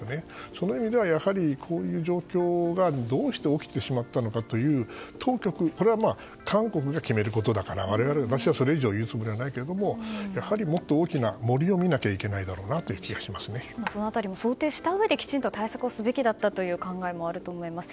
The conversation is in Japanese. そういう意味ではこういう状況がどうして起きてしまったのかという当局これは韓国が決めることだから私はそれ以上言うつもりはないけどやはりもっと大きな森を見なきゃいけないだろうなその辺りも想定したうえできちんと対策をすべきだったという考えもあると思います。